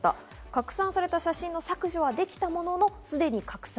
拡散された写真の削除はできたものの、すで拡散。